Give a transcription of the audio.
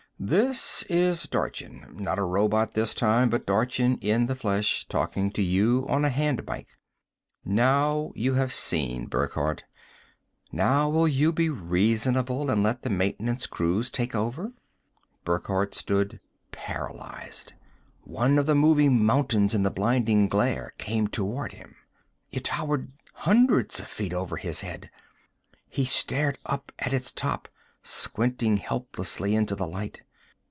"This is Dorchin. Not a robot this time, but Dorchin in the flesh, talking to you on a hand mike. Now you have seen, Burckhardt. Now will you be reasonable and let the maintenance crews take over?" Burckhardt stood paralyzed. One of the moving mountains in the blinding glare came toward him. It towered hundreds of feet over his head; he stared up at its top, squinting helplessly into the light.